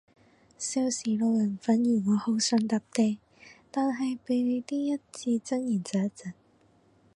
少時路人粉如我好想搭嗲，但係被你啲一字真言疾一疾